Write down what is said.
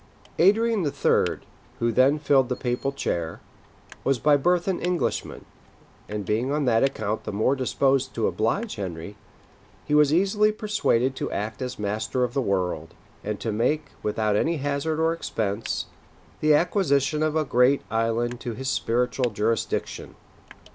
Adrian III., who then filled the papal chair, was by birth an Englishman; and being on that account the more disposed to oblige Henry, he was easily persuaded to act as master of the world, and to make, without any hazard or expense, the acquisition of a great island to his spiritual jurisdiction.